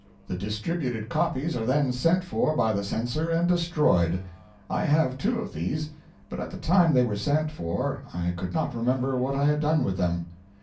The distributed copies are then sent for by the censor and destroyed. I have two of these, but at the time they were sent for I could not remember what I had done with them.